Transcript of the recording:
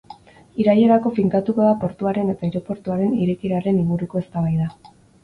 Irailerako finkatuko da portuaren eta aireportuaren irekieraren inguruko eztabaida.